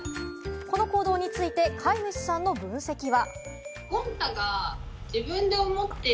この行動について飼い主さんの分析は。